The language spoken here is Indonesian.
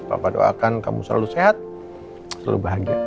bapak doakan kamu selalu sehat selalu bahagia